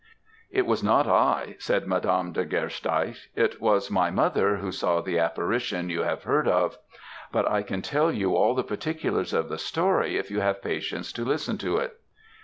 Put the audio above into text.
"It was not I," said Madame de Geirsteche; "it was my mother who saw the apparition you have heard of; but I can tell you all the particulars of the story if you have patience to listen to it."